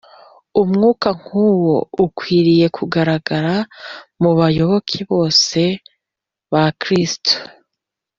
umwuka nk’uwo ukwiriye kugaragara mu bayoboke bose ba kristo